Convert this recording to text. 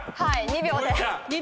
２秒で。